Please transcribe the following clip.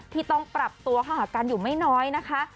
ที่ต้องปรับตัวเข้าหากันอยู่ไม่น้อยนะคะ